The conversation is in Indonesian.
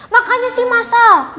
makanya sih masal